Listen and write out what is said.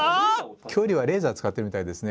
距離はレーザー使ってるみたいですね。